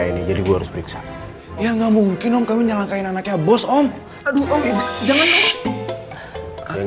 ini jadi gue harus periksa ya nggak mungkin om kami nyalangkahin anaknya bos om aduh jangan ada